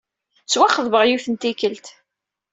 Ttwaxeḍbeɣ yiwet n tikkelt.